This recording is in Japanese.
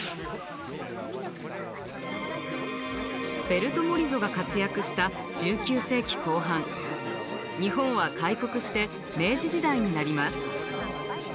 ベルト・モリゾが活躍した１９世紀後半日本は開国して明治時代になります。